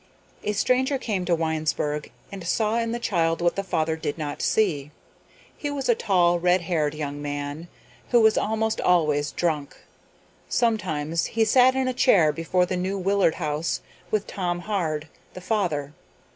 A stranger came to Winesburg and saw in the child what the father did not see. He was a tall, redhaired young man who was almost always drunk. Sometimes he sat in a chair before the New Willard House with Tom Hard, the father.